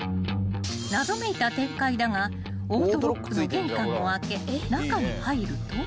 ［謎めいた展開だがオートロックの玄関を開け中に入ると］